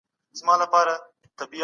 ټولنه د ګډ هدف لپاره جوړيږي.